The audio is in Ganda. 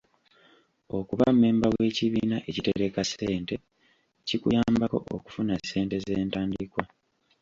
Okuba mmemba w'ekibiina ekitereka ssente kikuyambako okufuna ssente z'entandikwa.